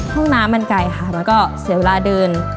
ห้องน้ำมันไกลค่ะมันก็เสียเวลาเดิน